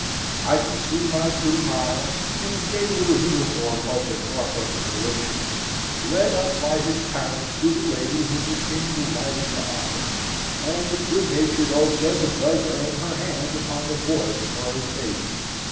I can see my pretty Miles, in a gay little uniform of the Norfolk Militia, led up by his parent to the lady whom the King delighted to honour, and the good natured old Jezebel laying her hand upon the boy's curly pate.